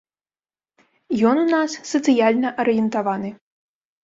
Ён у нас сацыяльна арыентаваны.